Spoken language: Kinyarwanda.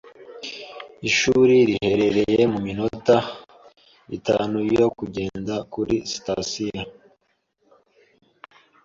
Ishuri riherereye muminota itanu yo kugenda kuri sitasiyo.